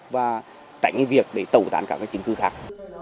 và trả nhiệm việc để tẩu tản các chính thức khác